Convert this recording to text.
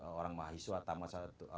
orang mahasiswa tamat